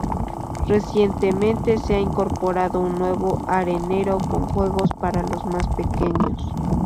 Recientemente se ha incorporado un nuevo arenero con juegos para los más pequeños